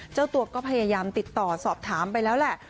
เจ้าตัวก็พยายามติดต่อสอบถามไปแล้วแหละ